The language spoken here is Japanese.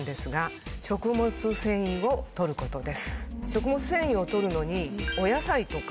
食物繊維を取るのに。